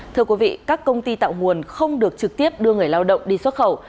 thưa quý vị các công ty tạo nguồn không được trực tiếp đưa người lao động đi xuất khẩu